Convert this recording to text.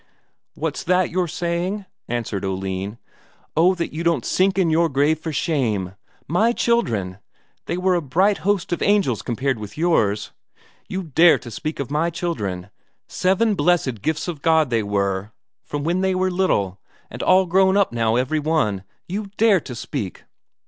"What's that you're saying?" answered Oline. "Oh that you don't sink in your grave for shame! My children! They were a bright host of angels compared with yours. You dare to speak of my children? Seven blessed gifts of God they were from they were little, and all grown up now every one. You dare to speak...."